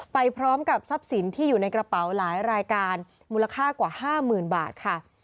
ไปพร้อมกับทรัพย์สินที่อยู่ในกระเป๋าหลายรายการมูลค่ากว่า๕๐๐๐บาทค่ะ